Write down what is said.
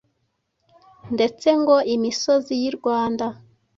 Ndetse ngo imisozi y'i Rwanda